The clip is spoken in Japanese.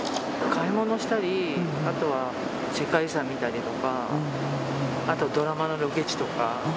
買い物したり世界遺産見たりとかあとドラマのロケ地とか。